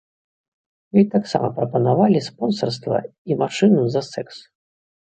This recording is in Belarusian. Ёй таксама прапанавалі спонсарства і машыну за сэкс.